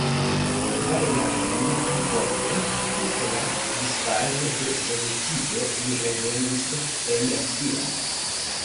Kvar jarojn pliposte, post la disfalo de Sovetio, li revenis en Rusion.